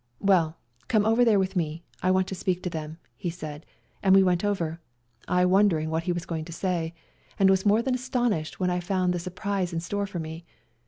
" Well, come over there with me, I want to speak to them," he said, and we went over, I wondering what he was going to say, and was more than astonished when 236 " SLAVA DAY " I found the surprise in store for me.